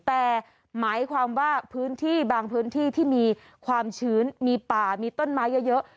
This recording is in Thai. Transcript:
แต่หมายความว่าพื้นที่บางพื้นที่ที่มีความชื้นมีป่ามีต้นไม้เยอะ